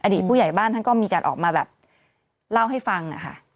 อดีตผู้ใหญ่บ้านก็มีการออกมาเล่าให้ฟัง